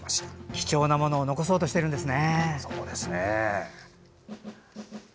貴重なものを残そうとしているんですね。